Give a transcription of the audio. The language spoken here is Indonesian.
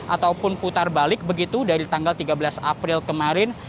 ataupun putar balik begitu dari tanggal tiga belas april kemarin